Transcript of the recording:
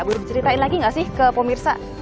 boleh diceritain lagi nggak sih ke pemirsa